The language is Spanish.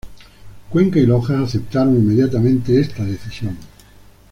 Cuenca y Loja aceptaron inmediatamente esta decisión.